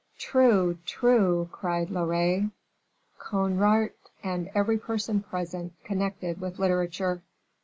"True, true!" cried Loret, Conrart, and every person present connected with literature.